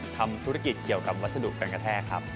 ทำธุรกิจเกี่ยวกับวัสดุการกระแทกครับ